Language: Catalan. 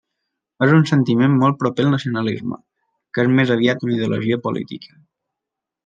És un sentiment molt proper al nacionalisme, que és més aviat una ideologia política.